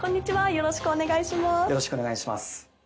よろしくお願いします。